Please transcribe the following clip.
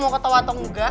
mau ketawa atau enggak